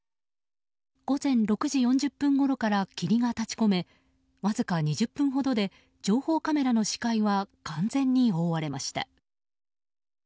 午前６時４０分ごろから霧が立ち込めわずか２０分ほどで情報カメラの視界は完全に覆われました。